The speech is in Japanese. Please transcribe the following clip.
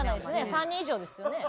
３人以上ですよね。